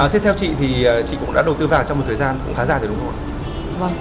thế theo chị thì chị cũng đã đầu tư vào trong một thời gian cũng khá dài rồi đúng không ạ